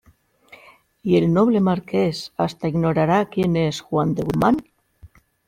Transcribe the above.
¿ y el noble Marqués hasta ignorará quién es Juan de Guzmán ?